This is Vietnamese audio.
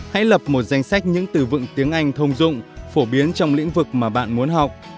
hãy lập một danh sách những từ vựng tiếng anh thông dụng phổ biến trong lĩnh vực mà bạn muốn học